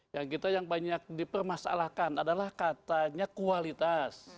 ya kita yang banyak dipermasalahkan adalah katanya kualitas